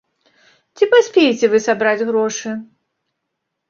Ці паспееце вы сабраць грошы?